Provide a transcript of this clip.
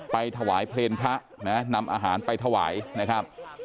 ไปถวายเพลงพระนะนำอาหารไปถวายนะครับ